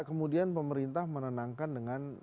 kemudian pemerintah menenangkan dengan